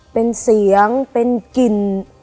เป็นเสียงเป็นกลิ่น